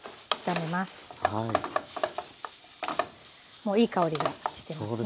もういい香りがしてますね。